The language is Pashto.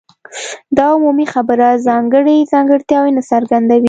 دا عمومي خبره ځانګړي ځانګړتیاوې نه څرګندوي.